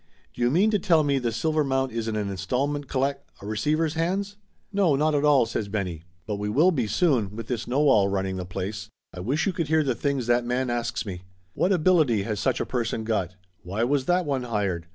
"Do you mean to tell me the Silvermount is in an installment collec a receiver's hands?" "No, not at all !" says Benny. "But we will be soon, with this know all running the place! I wish you could hear the things that man asks me ! What ability has such a person got? Why was that one hired?